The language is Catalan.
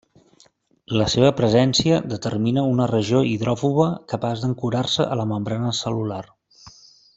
La seva presència determina una regió hidròfoba capaç d'ancorar-se a la membrana cel·lular.